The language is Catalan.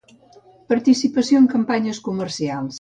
Participació en campanyes comercials